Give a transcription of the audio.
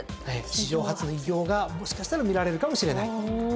史上初の偉業がもしかしたら見られるかもしれない。